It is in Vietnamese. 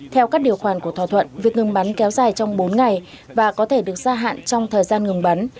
theo các điều khoản của thỏa thuận việc ngừng bắn kéo dài trong bốn ngày và có thể được gia hạn trong thời gian ngừng bắn